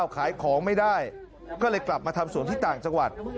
ขายของไม่ได้ก็เลยกลับมาทำสวนที่ต่างจังหวัด